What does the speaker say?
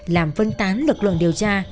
làm phân tán lực lượng điều tra